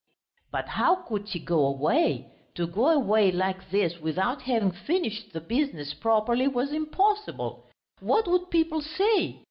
But how could he go away? To go away like this without having finished the business properly was impossible. What would people say?